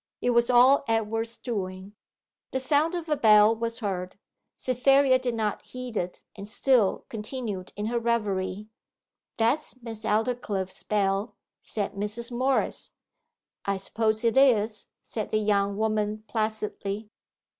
It was all Edward's doing. The sound of a bell was heard. Cytherea did not heed it, and still continued in her reverie. 'That's Miss Aldclyffe's bell,' said Mrs. Morris. 'I suppose it is,' said the young woman placidly.